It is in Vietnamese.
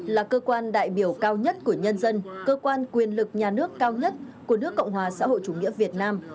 là cơ quan đại biểu cao nhất của nhân dân cơ quan quyền lực nhà nước cao nhất của nước cộng hòa xã hội chủ nghĩa việt nam